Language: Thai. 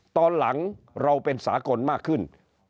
ตอนหลังเราเป็นสากลมากขึ้น